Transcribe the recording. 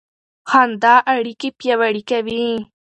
خندا اړیکې پیاوړې کوي.